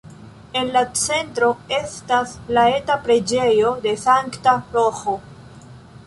En la centro estas la eta preĝejo de Sankta Roĥo.